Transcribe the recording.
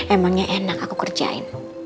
emangnya enak aku kerjain